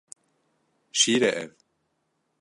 Şîr e ev?